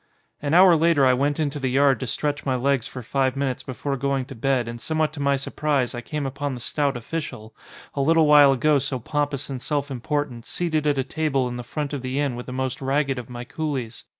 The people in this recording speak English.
An hour later I went into the yard to stretch my legs for five minutes before going to bed and somewhat to my surprise, I came upon the stout official, a little while ago so pompous and self im portant, seated at a table in the front of the inn with the most ragged of my coolies.